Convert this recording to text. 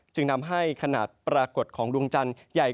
จึงทำให้ขนาดปรากฏของดวงจันทร์ใหญ่